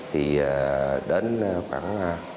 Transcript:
thì đến khoảng